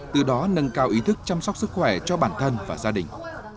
từ đó nâng cao ý thức chăm sóc sức khỏe cho bản thân và gia đình